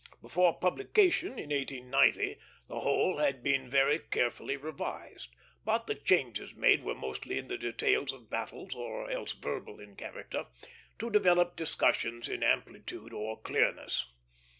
Before publication, in 1890, the whole had been very carefully revised; but the changes made were mostly in the details of battles, or else verbal in character, to develop discussions in amplitude or clearness.